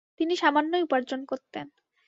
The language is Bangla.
তিনি সামান্যই উপার্জন করতেন।